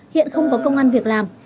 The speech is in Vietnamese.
hiện không có công an việc làm